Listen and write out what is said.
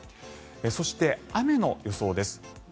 そして、雨の予想です。